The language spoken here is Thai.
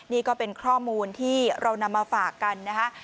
นี่ก็เป็นข้อมูลที่เรานำมาฝากกันนะคะ